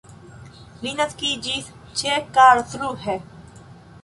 Li naskiĝis ĉe Karlsruhe.